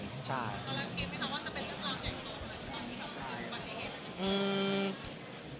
ตอนนั้นคิดไหมครับว่าจะเป็นเรื่องราวใหญ่โตตอนพี่เฉียบเขามันได้ยังไง